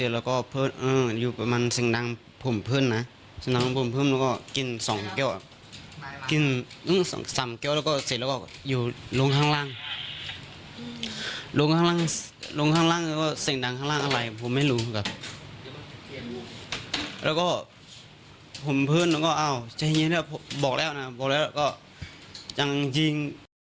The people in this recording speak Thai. เราก็บอกแล้วนะบอกแล้วก็จังจริง